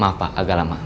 maaf pak agak lama